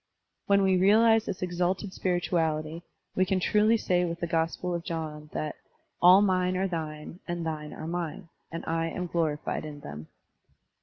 When we realize thi$ exalted spirituality, We can truly say with th0 Gospel of John that "all mine are thine, and thine are mine; and I am glorified in them."